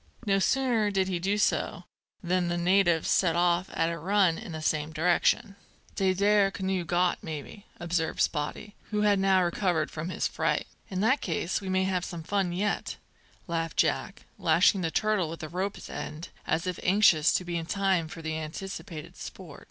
No sooner did he do so than the natives set off at a run in the same direction. "Dey there canoe got, maybe," observed Spottie, who had now recovered from his fright. "In that case we may have some fun yet," laughed Jack, lashing the turtle with the rope's end, as if anxious to be in time for the anticipated sport.